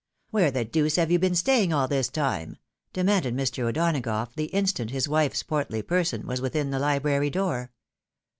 " Where the deuce have you been stay ing all this time ?" demanded Mr. O'Donagough the instant his wife's portly person was within the library door.